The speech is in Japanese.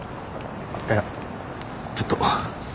いやちょっと。